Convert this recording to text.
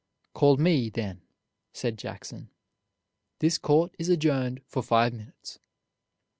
"Call me, then," said Jackson; "this court is adjourned for five minutes."